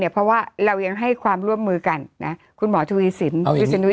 เนี่ยเพราะว่าเรายังให้ความร่วมมือกันนะคุณหมอถุธุฮิศินทร์อีกที